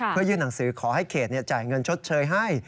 เพื่อยื่นหนังสือขอให้เขตจ่ายเงินชดเชยให้